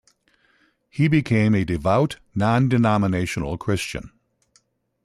He became a devout non-denominational Christian.